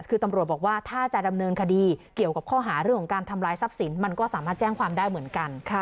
คือตำรวจบอกว่าถ้าจะดำเนินคดีเกี่ยวกับข้อหาเรื่องของการทำลายทรัพย์สินมันก็สามารถแจ้งความได้เหมือนกัน